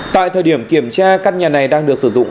tại thời điểm kiểm tra căn nhà này đang được sử dụng